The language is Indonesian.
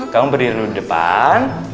kamu berdiri di depan